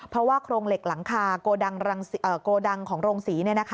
เพราะว่าโครงเหล็กหลังคาโกดังของโรงศรี